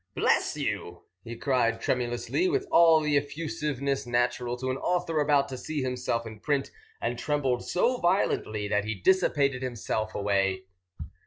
"Bless you!" he cried tremulously, with all the effusiveness natural to an author about to see himself in print, and trembled so violently that he dissipated himself away.